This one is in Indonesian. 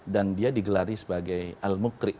dan dia digelari sebagai al mukri